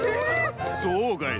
そうかい？